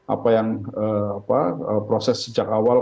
apa yang proses sejak awal